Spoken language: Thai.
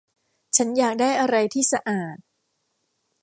ฉันอยากได้อะไรที่สะอาด